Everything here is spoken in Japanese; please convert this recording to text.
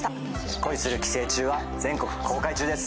「恋する寄生虫」は全国公開中です。